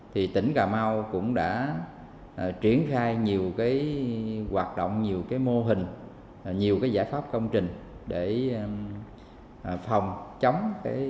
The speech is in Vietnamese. thì tỉnh cà mau cũng đã triển khai nhiều cái hoạt động nhiều cái mô hình nhiều cái giải pháp công trình để phòng chống